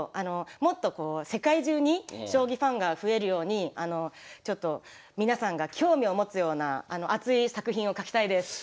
もっとこう世界中に将棋ファンが増えるようにちょっと皆さんが興味を持つような熱い作品を描きたいです。